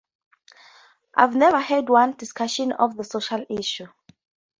I've never heard one discussion of a social issue.